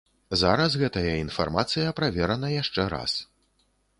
Зараз гэтая інфармацыя праверана яшчэ раз.